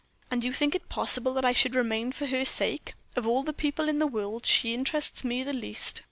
"And you think it possible that I should remain for her sake? Of all the people in the world she interests me the least."